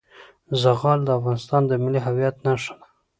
زغال د افغانستان د ملي هویت نښه ده.